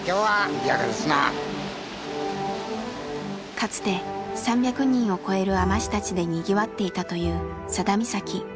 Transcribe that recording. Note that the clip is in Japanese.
かつて３００人を超える海士たちでにぎわっていたという佐田岬。